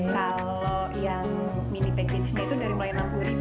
kalau yang mini package ini itu dari mulai rp enam puluh sampai rp seratus